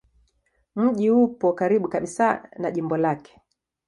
Mji upo karibu kabisa na jimbo lake.